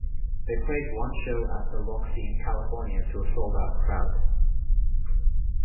They played one show at The Roxy in California to a sold-out crowd.